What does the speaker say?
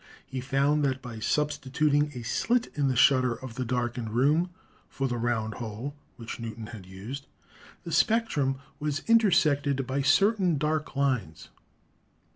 He found that, by substituting a slit in the shutter of the darkened room for the round hole which Newton had used, the spectrum was intersected by certain dark lines.